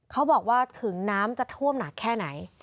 เขาบอกว่าถึงน้ำจะท่วมหนักแค่ไหน